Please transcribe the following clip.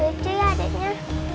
lucu ya adeknya